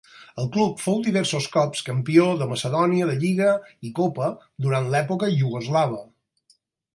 El club fou diversos cops campió de macedònia de lliga i copa durant l'època iugoslava.